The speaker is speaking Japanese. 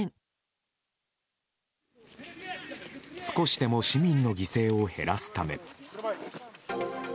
少しでも市民の犠牲を減らすため。